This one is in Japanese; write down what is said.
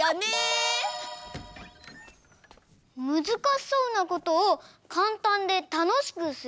むずかしそうなことをかんたんでたのしくする？